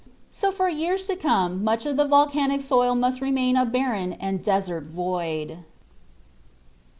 So for years to come much of the volcanic soil must remain a barren and desert void.